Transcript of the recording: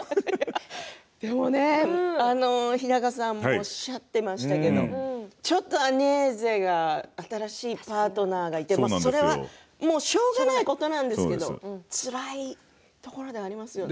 でも、日高さんもおっしゃっていましたけどちょっとアニェーゼが新しいパートナーがいてそれはしょうがないことなんですけど、つらいですね。